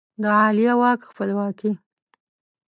د عالیه واک خپلواکي